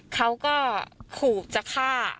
เขาก็ขู่จะฆ่า